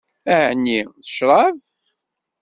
Ɛni d ccṛab?